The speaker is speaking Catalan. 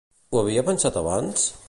Ho havia pensat abans?